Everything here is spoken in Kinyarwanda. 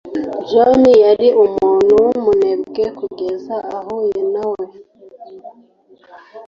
John yari umuntu wumunebwe kugeza ahuye nawe.